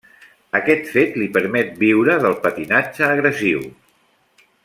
Aquest fet li permet viure del patinatge agressiu.